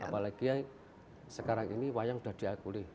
apalagi sekarang ini wayang sudah diakui